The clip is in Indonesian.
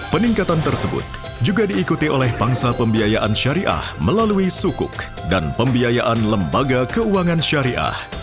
peningkatan tersebut juga diikuti oleh pangsa pembiayaan syariah melalui sukuk dan pembiayaan lembaga keuangan syariah